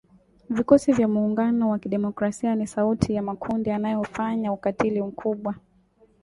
Vikosi vya Muungano wa Kidemokrasia ni moja ya makundi yanayofanya ukatili mkubwa.